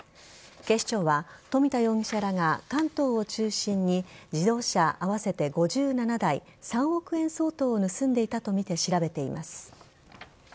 警視庁は冨田容疑者らが関東を中心に自動車合わせて５７台３億円相当を盗んでいたとみて調べています。